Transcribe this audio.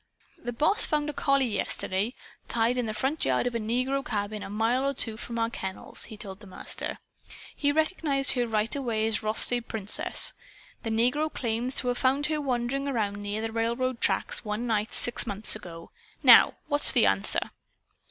"The Boss found a collie yesterday, tied in the front yard of a negro cabin a mile or two from our kennels," he told the Master. "He recognized her right away as Rothsay Princess. The negro claims to have found her wandering around near the railroad tracks, one night, six months ago. Now, what's the answer?"